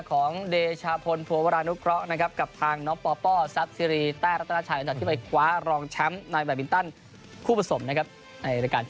ของเดชาพลภัพรานกะ